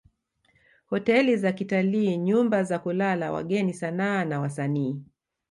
Hoteli za kitalii nyumba za kulala wageni sanaa na wasanii